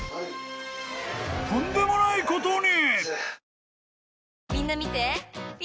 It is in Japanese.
［とんでもないことに］